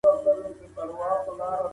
د مېوو استعمال د وجود کمزوري ختموي.